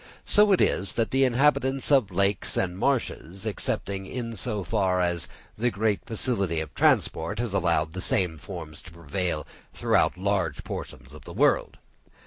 So it is with the inhabitants of lakes and marshes, excepting in so far as great facility of transport has allowed the same forms to prevail throughout large portions of the world.